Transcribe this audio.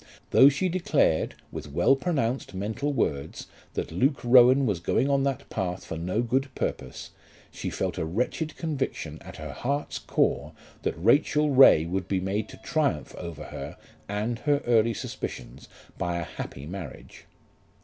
Though she declared, with well pronounced mental words, that Luke Rowan was going on that path for no good purpose, she felt a wretched conviction at her heart's core that Rachel Ray would be made to triumph over her and her early suspicions by a happy marriage.